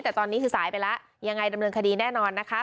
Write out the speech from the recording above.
แต่ตอนนี้คือสายไปแล้วยังไงดำเนินคดีแน่นอนนะคะ